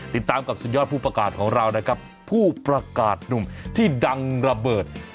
ติดตามกับสุดยอดผู้ประกาศของเรานะครับผู้ประกาศหนุ่มที่ดังระเบิด